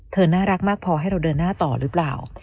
น่ารักมากพอให้เราเดินหน้าต่อหรือเปล่า